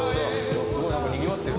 ・すごい何かにぎわってる。